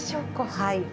はい。